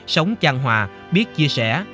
sống trang hòa biết chia sẻ